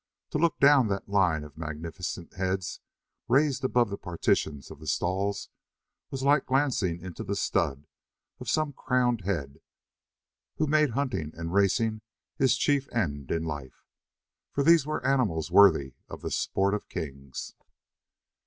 To look down that line of magnificent heads raised above the partitions of the stalls was like glancing into the stud of some crowned head who made hunting and racing his chief end in life, for these were animals worthy of the sport of kings.